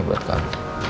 ini buat kamu